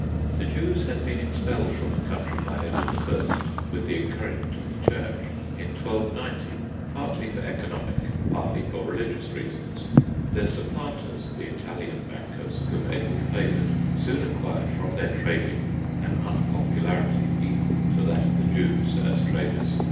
The Jews had been expelled from the country by Edward I., with the encouragement of the Church, in 1290, partly for economic, partly for religious reasons. Their supplanters, the Italian bankers, whom Edward favoured, soon acquired from their trading an unpopularity equal to that of the Jews as traders.